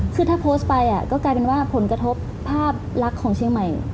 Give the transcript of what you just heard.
คือถ้าโพสต์ไปก็กลายเป็นว่าผลกระทบภาพลักษณ์ของเชียงใหม่